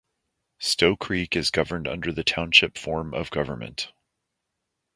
Stow Creek is governed under the Township form of government.